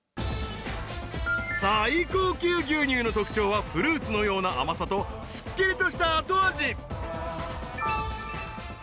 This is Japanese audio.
［最高級牛乳の特徴はフルーツのような甘さとすっきりとした後味］